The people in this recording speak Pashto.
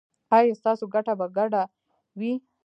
ایا ستاسو ګټه به ګډه وي؟